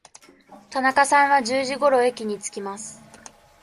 田中さんは十時ごろ駅に着きます。